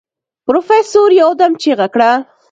پروفيسر يودم چيغه کړه.